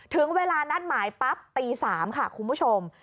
ถึงเวลานัดหมายปั๊บตี๓ค่ะคุณผู้ชม